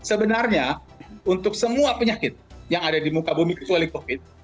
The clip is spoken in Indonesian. sebenarnya untuk semua penyakit yang ada di muka bumi kecuali covid